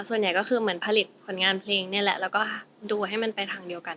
ส่วนใหญ่ก็คือเหมือนผลิตผลงานเพลงนี่แหละแล้วก็ดูให้มันไปทางเดียวกัน